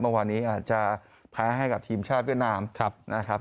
เมื่อวานนี้อาจจะแพ้ให้กับทีมชาติเวียดนามนะครับ